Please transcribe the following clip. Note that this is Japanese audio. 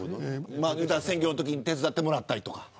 選挙のときに手伝ってもらったりとか。